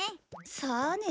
さあね。